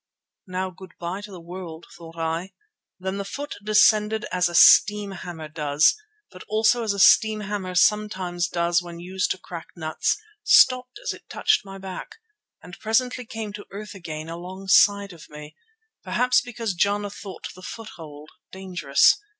Now good bye to the world, thought I. Then the foot descended as a steam hammer does, but also as a steam hammer sometimes does when used to crack nuts, stopped as it touched my back, and presently came to earth again alongside of me, perhaps because Jana thought the foothold dangerous.